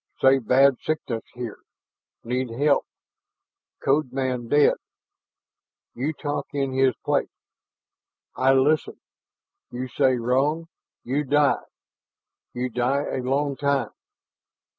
Say bad sickness here need help. Code man dead you talk in his place. I listen. You say wrong, you die you die a long time.